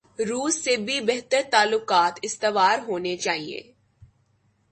روس سے بھی بہتر تعلقات استوار ہونے چائیں۔